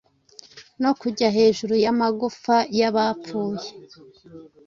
no kujya hejuru y'amagufa y'abapfuye.